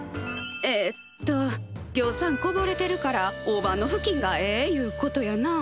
えっとぎょうさんこぼれてるから大判のふきんがええゆうことやな。